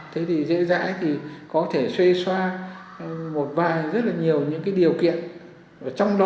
thế thì dễ dãi thì có thể xoay xoa một vài rất là nhiều những cái điều kiện